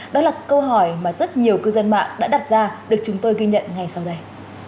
đó là câu hỏi mà rất nhiều cư dân mạng đã đặt ra được chúng tôi ghi nhận ngay sau đây